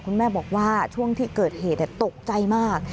คุณแม่บอกว่าช่วงที่เกิดเหตุตกใจมาก